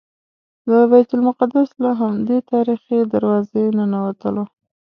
د بیت المقدس له همدې تاریخي دروازې ننوتلو.